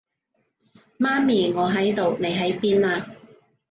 媽咪，我喺度，你喺邊啊？